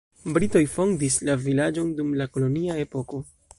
Britoj fondis la vilaĝon dum la kolonia epoko.